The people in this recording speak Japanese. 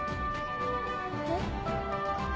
えっ。